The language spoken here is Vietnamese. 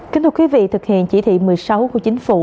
kính thưa quý vị thực hiện chỉ thị một mươi sáu của chính phủ